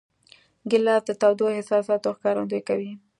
ګیلاس د تودو احساساتو ښکارندویي کوي.